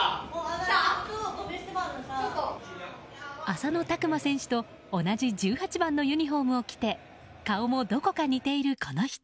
浅野拓磨選手と同じ１８番のユニホームを着て顔もどこか似ている、この人。